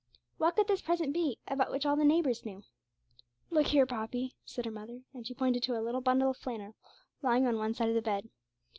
What could this present be, about which all the neighbours knew? 'Look here, Poppy,' said her mother; and she pointed to a little bundle of flannel lying on one side of the bed.